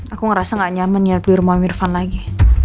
aku ngerasa gak nyaman nyelap di rumah amirvan lagi